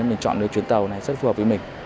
mình chọn được chuyến tàu này rất phù hợp với mình